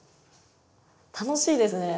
楽しいですね。